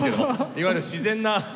いわゆる自然な。